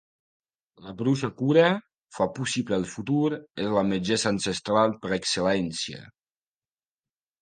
La bruixa cura, fa possible el futur, és la metgessa ancestral per excel·lència.